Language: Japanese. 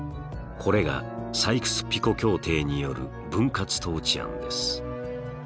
これがサイクス・ピコ協定による分割統治案です。